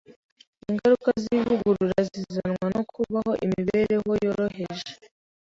Ingaruka z’Ivugurura Rizanwa no Kubaho Imibereho Yoroheje